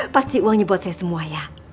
pasti uangnya buat saya semua ya